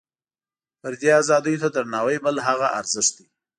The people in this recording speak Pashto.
فردي ازادیو ته درناوۍ بل هغه ارزښت دی.